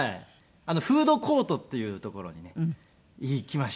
フードコートっていう所にね行きまして。